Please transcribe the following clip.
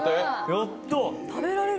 やった。